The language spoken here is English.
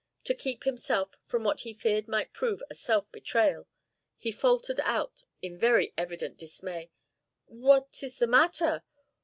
To keep himself from what he feared might prove a self betrayal, he faltered out in very evident dismay: "What is the matter?